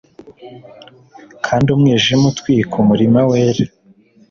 kandi umwijima utwika umurima wera